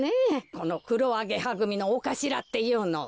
このくろアゲハぐみのおかしらっていうのは。